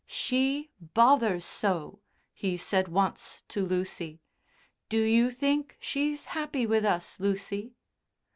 "She bothers so," he said once to Lucy. "Do you think she's happy with us, Lucy?"